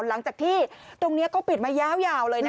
หลังจากที่ตรงนี้ก็ปิดมายาวเลยนะคะ